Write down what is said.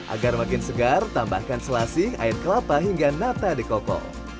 agar makin segar tambahkan selasi air kelapa hingga nata deko